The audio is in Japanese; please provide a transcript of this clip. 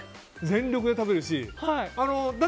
全力で食べるし。